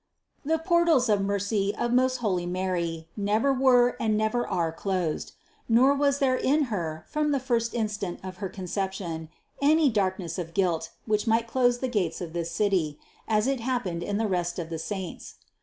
The portals of mercy of most holy Mary never were and never are closed, nor was there in Her from the first instant of her Con 248 CITY OF GOD ception, any darkness of guilt, which might close the gates of this City, as it happened in the rest of the saints.